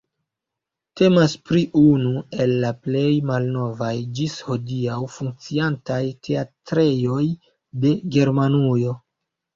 Temas pri unu el la plej malnovaj ĝis hodiaŭ funkciantaj teatrejoj de Germanujo.